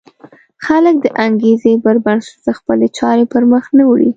خلک د انګېزې پر بنسټ خپلې چارې پر مخ نه وړي.